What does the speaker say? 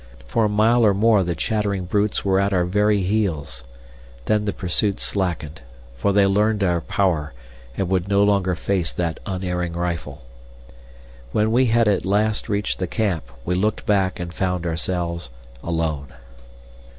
For a mile or more the chattering brutes were at our very heels. Then the pursuit slackened, for they learned our power and would no longer face that unerring rifle. When we had at last reached the camp, we looked back and found ourselves alone.